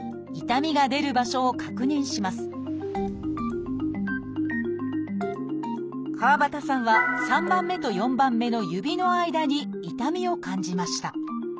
痛みが出る場所を確認しますかわばたさんは３番目と４番目の指の間に痛みを感じました。